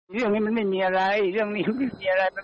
คุณผู้ชมไปฟังเสียงพร้อมกัน